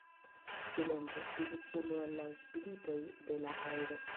Silentu, diris unu el la spiritoj de la aero.